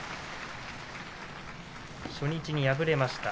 初日に敗れました。